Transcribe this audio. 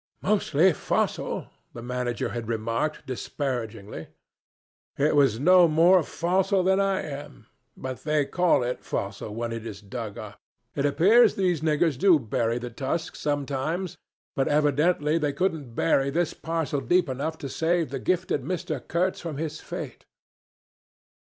'Mostly fossil,' the manager had remarked disparagingly. It was no more fossil than I am; but they call it fossil when it is dug up. It appears these niggers do bury the tusks sometimes but evidently they couldn't bury this parcel deep enough to save the gifted Mr. Kurtz from his fate.